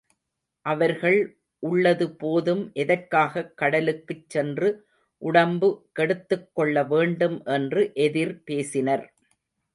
அவர்கள் உள்ளது போதும் எதற்காகக் கடலுக்குச் சென்று உடம்பு கெடுத்துக் கொள்ள வேண்டும் என்று எதிர் பேசினர்.